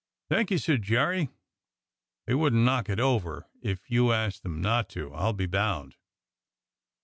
"Thank you," said Jerry. *'They wouldn't knock it over if you asked 'em not to, I'll be bound."